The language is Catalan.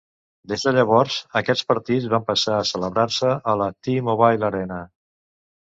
Des de llavors, aquests partits van passar a celebrar-se a la T-Mobile Arena.